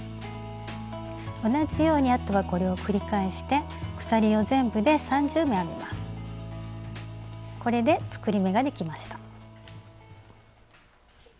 同じようにあとはこれを繰り返してこれで作り目ができました。